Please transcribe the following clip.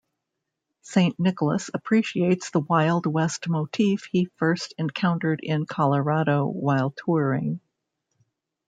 Saint Nicholas appreciates the wild west motif he first encountered in Colorado while touring.